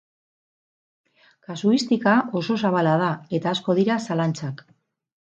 Kasuistika oso zabala da, eta asko dira zalantzak.